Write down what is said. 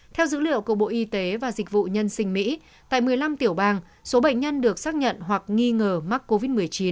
theo dữ liệu của bộ y tế và dịch vụ nhân sinh mỹ tại một mươi năm tiểu bang số bệnh nhân được xác nhận hoặc nghi ngờ mắc covid một mươi chín